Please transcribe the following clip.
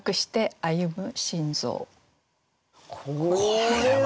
これは。